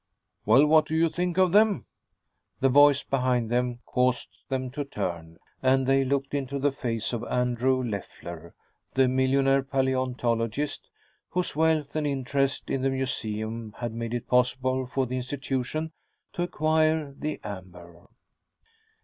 "Well what do you think of them?" The voice behind them caused them to turn, and they looked into the face of Andrew Leffler, the millionaire paleontologist, whose wealth and interest in the museum had made it possible for the institution to acquire the amber.